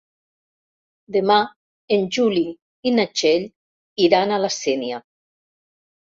Demà en Juli i na Txell iran a la Sénia.